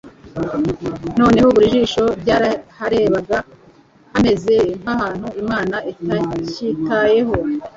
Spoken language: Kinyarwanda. noneho buri jisho ryaraharebaga hameze nk'ahantu Imana itacyitayeho.